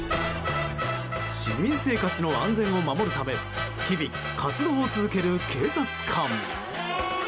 市民生活の安全を守るため日々、活動を続ける警察官。